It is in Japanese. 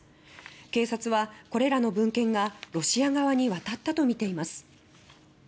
警察は、これらの文献がロシア側に渡ったとみています。